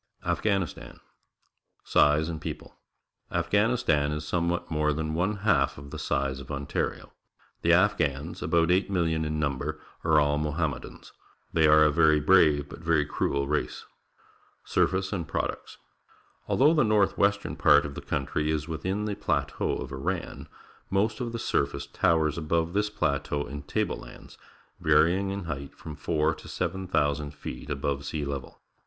AFGHANISTAN c Size and People. — Afghanistan is some what more than one half of the size of Ontario. The Afghans, about eight million in number, are all Mohammedans. They are a very brave but very cruel race. 214 PUBLIC SCHOOL GEOGRAPHY Surface and Products. — Although the north western part of the country is witliin the Plateau of Iran, most of the surface towers above this plateau in table lands, varying in height from four to seven thousand feet above sea level.